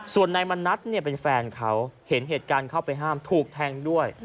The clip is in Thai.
ส่วนนายมณัฐเป็นแฟนเขาเห็นเหตุการณ์เข้าไปห้ามถูกแทงด้วย